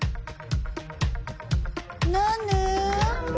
何？